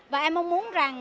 và em mong muốn rằng